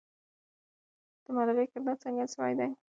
د ملالۍ کردار څرګند سوی دی.